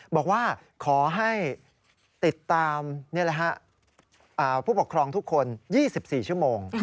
บอกว่าขอให้ติดตามผู้ปกครองทุกคน๒๔ชั่วโมง